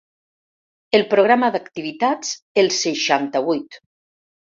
El programa d’activitats Els ’seixanta-vuit.